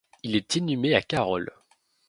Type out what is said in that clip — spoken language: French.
Il est inhumé à Carolles.